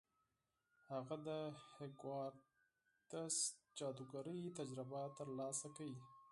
هغه د هاګوارتس جادوګرۍ تجربه ترلاسه کوي.